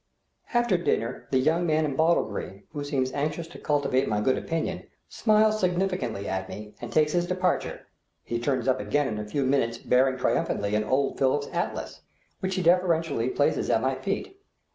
After dinner the young man in bottle green, who seems anxious to cultivate my good opinion, smiles significantly at me and takes his departure; he turns up again in a few minutes bearing triumphantly an old Phillips' Atlas, which he deferentially places at my feet.